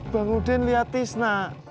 bang uden lihat tisna